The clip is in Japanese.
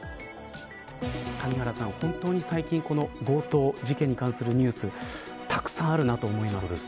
谷原さん、本当に最近この強盗事件に関するニュースたくさんあるなと思います。